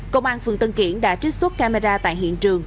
công an phường tân kiển đã trích xuất camera tại hiện trường